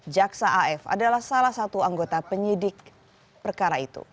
jaksa af adalah salah satu anggota penyidik perkara itu